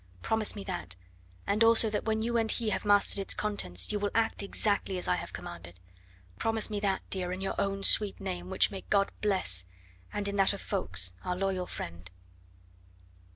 Promise me that, and also that when you and he have mastered its contents you will act exactly as I have commanded. Promise me that, dear, in your own sweet name, which may God bless, and in that of Ffoulkes, our loyal friend."